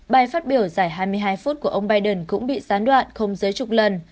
bài phát biểu dài hai mươi hai phút của ông biden cũng bị gián đoạn không dưới chục lần